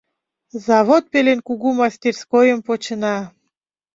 Завод пелен кугу мастерскойым почына.